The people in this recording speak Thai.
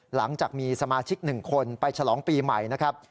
หลังจากมีสมาชิก๑คนไปฉลองปีใหม่นะครับ